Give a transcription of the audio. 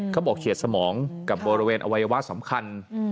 เฉียดสมองกับบริเวณอวัยวะสำคัญ